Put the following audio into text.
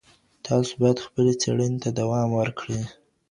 تاسو بايد خپلې څېړنې ته دوام ورکړئ.